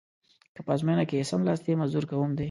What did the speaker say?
که په ازموینه کې څملاستلې مزدور کوم دې.